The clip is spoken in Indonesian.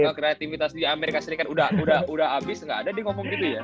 gak kreativitas di amerika serikat udah abis gak ada dikutip gitu ya